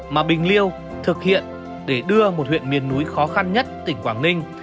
mà bình liêu thực hiện để đưa một huyện miền núi khó khăn nhất tỉnh quảng ninh